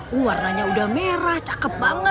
warnanya sudah merah cakep banget